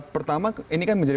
pertama ini kan menjadi